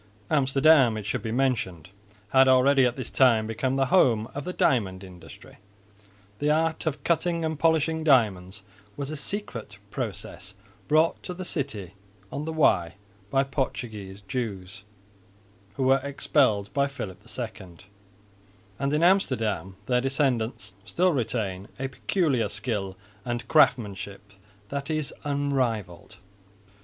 Amsterdam, it should be mentioned, had already at this time become the home of the diamond industry. The art of cutting and polishing diamonds was a secret process brought to the city on the Y by Portuguese Jews, who were expelled by Philip II; and in Amsterdam their descendants still retain a peculiar skill and craftmanship that is unrivalled.